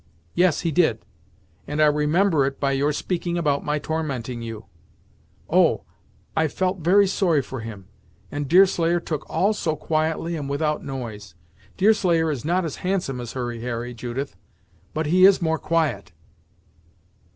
"Yes he did; and I remember it by your speaking about my tormenting you. Oh! I felt very sorry for him, and Deerslayer took all so quietly and without noise! Deerslayer is not as handsome as Hurry Harry, Judith, but he is more quiet."